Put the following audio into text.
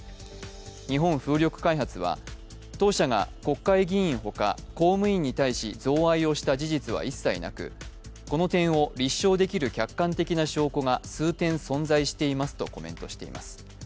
日本風力開発は、当社が国会議員ほか公務員に対し贈賄をした事実は一切なくこの点を立証できる客観的な証拠が数点存在していますとコメントしています。